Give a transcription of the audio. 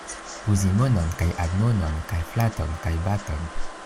Uzi monon kaj admonon kaj flaton kaj baton.